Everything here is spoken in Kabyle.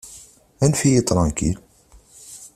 Anef-iyi ṭṛankil!